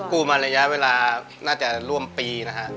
กู้มาระยะเวลาน่าจะร่วมปีนะฮะ